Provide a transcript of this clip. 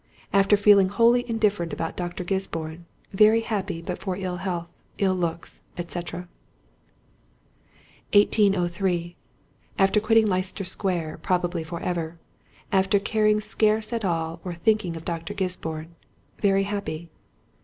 After feeling wholly indifferent about Dr. Gisborne—very happy but for ill health, ill looks, &c. 1803. After quitting Leicester Square probably for ever—after caring scarce at all or thinking of Dr. Gisborne ... very happy....